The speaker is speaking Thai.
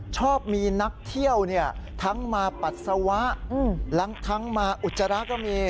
ชอบมีนักเที่ยวทั้งมาปัสสาวะทั้งมาอุจจาระก็มี